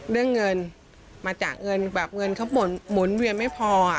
เรื่องเงินมาจากเงินแบบเงินเขาหมุนเวียนไม่พอ